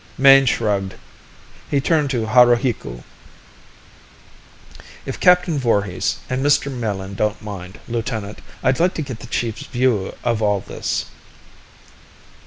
Mayne shrugged. He turned to Haruhiku. "If Captain Voorhis and Mr. Melin don't mind, lieutenant, I'd like to get the chief's view of all this."